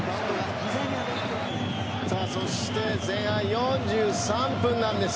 そして前半４３分なんです。